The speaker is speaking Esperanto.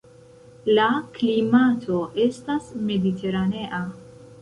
La klimato estas mediteranea.